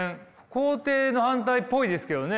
肯定の反対っぽいですけどね